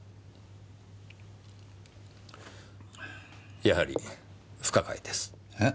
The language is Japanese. やはり不可解です。え？